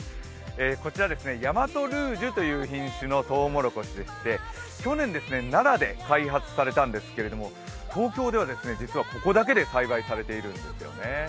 こちら大和ルージュという品種のとうもろこしでして、去年、奈良で開発されたんですけれども東京では実は、ここだけで栽培されているんですね。